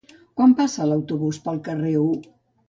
Quan passa l'autobús pel carrer U?